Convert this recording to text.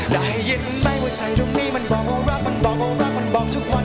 ได้ยินไหมว่าใช่ตรงนี้มันบอกรักมันบอกว่ารักมันบอกทุกวัน